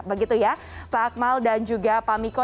begitu ya pak akmal dan juga pak miko